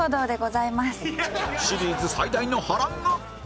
シリーズ最大の波乱が！